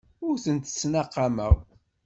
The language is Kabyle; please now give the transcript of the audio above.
Ur tent-ttnaqameɣ.